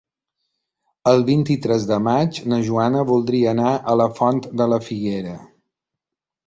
El vint-i-tres de maig na Joana voldria anar a la Font de la Figuera.